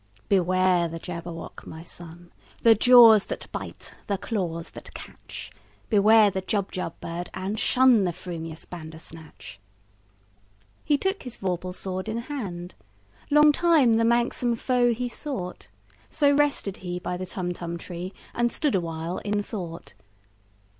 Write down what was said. "Beware the Jabberwock, my son! The jaws that bite, the claws that catch! Beware the Jubjub bird, and shunThe frumious Bandersnatch!"He took his vorpal sword in hand:Long time the manxome foe he sought—So rested he by the Tumtum tree, And stood awhile in thought.